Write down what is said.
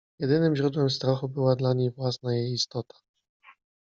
Jedynym źródłem strachu była dla niej własna jej istota.